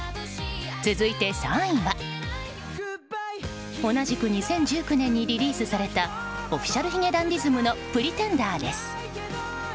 続いて３位は同じく２０１９年にリリースされたＯｆｆｉｃｉａｌ髭男ｄｉｓｍの「Ｐｒｅｔｅｎｄｅｒ」です。